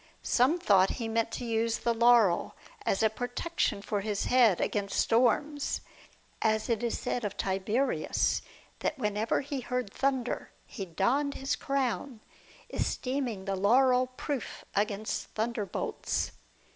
Some thought he meant to use the laurel as a protection for his head against storms ; as it is said of Tiberius that whenever he heard thunder, he donned his crown, esteeming the laurel proof against thunderbolts.